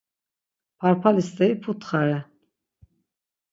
Parpali steri putxare.